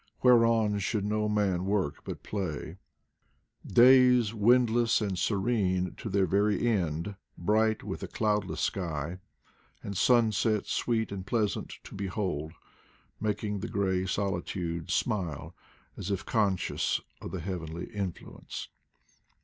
Whereon should no man work but play. Days windless and serene to their very end, bright with a cloudless sky, and sunshine sweet and pleasant to behold, making the gray solitudes smile as if conscious of the heavenly influence.